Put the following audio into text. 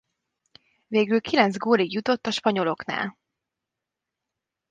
Végül kilenc gólig jutott a spanyoloknál.